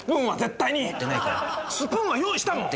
スプーンは用意したもん。